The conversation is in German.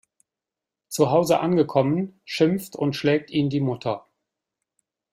Zuhause angekommen schimpft und schlägt ihn die Mutter.